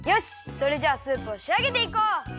それじゃあスープをしあげていこう！